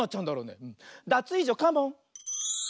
ダツイージョカモン！